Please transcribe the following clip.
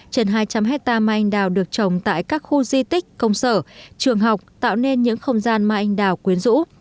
trên hai trăm linh hectare mai anh đào được trồng tại các khu di tích công sở trường học tạo nên những không gian mai anh đào quyến rũ